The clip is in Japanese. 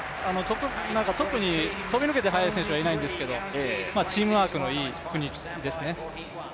特に飛び抜けて速い選手はいないんですけどチームワークのいい国ですね。